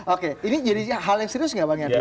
oke ini jadi hal yang serius nggak pak niantu